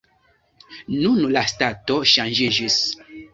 Nun la stato ŝanĝiĝis.